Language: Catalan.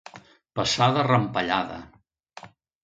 Passar de rampellada.